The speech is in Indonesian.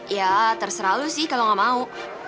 ya terserah lo sih kalau gak mau